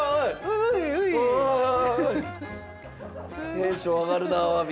テンション上がるなあアワビ。